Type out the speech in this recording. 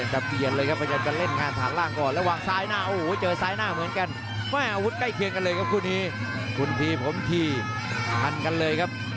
ตอนนั้นครับยกที่๑ครับ